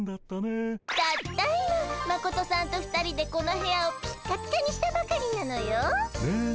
たった今マコトさんと２人でこの部屋をピッカピカにしたばかりなのよ。ね。